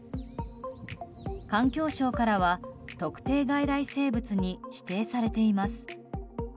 環境省からは特定外来生物に指定されています。